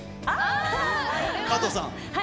加藤さん。